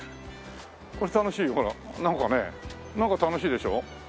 これ楽しいよほらなんかねなんか楽しいでしょ？